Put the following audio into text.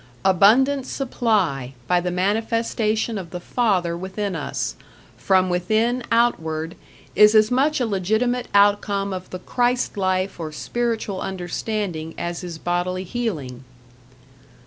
Abundant Supply by the manifestation of the Father within us, from within outward, is as much a legitimate outcome of the Christ life or spiritual understanding as is bodily healing....